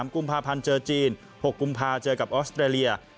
กุมภาพันธ์เจอจีน๖กุมภาเจอกับออสเตรเลีย